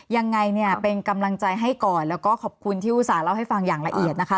ยังไงเนี่ยเป็นกำลังใจให้ก่อนแล้วก็ขอบคุณที่อุตส่าห์เล่าให้ฟังอย่างละเอียดนะคะ